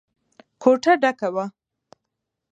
کوټه ډکه وه.